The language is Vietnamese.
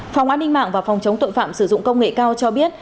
phòng an ninh mạng và phòng chống tội phạm sử dụng công nghệ cao cho biết